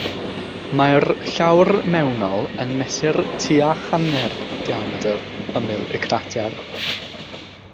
Mae'r llawr mewnol yn mesur tua hanner diamedr ymyl y crater.